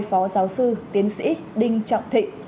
phó giáo sư tiến sĩ đinh trọng thịnh